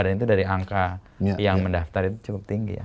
dan itu dari angka yang mendaftar itu cukup tinggi ya